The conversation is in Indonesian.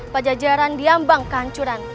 pak jajaran diambang kehancuran